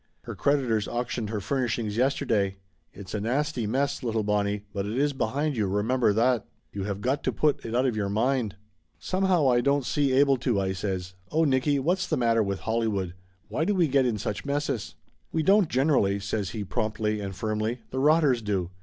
Her creditors auc tioned her furnishings yesterday. It's a nasty mess, lit tle Bonnie, but it is behind you, remember that. You have got to put it out of your mind." "Somehow I don't see able to," I says. "Oh, Nicky, what's the matter with Hollywood ? Why do we get in such messes?" "We don't, generally," says he promptly and firmly. "The rotters do.